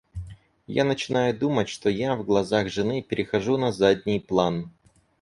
Я начинаю думать, что я, в глазах жены, перехожу на задний план.